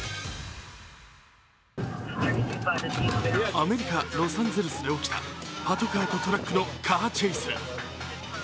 アメリカ・ロサンゼルスで起きたパトカーとトラックのカーチェイス。